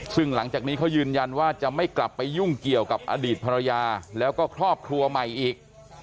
ซึ่งหลังจากนี้เขายืนยันว่าจะไม่กลับไปยุ่งเกี่ยวกับอดีตภรรยาแล้วก็ครอบครัวใหม่อีก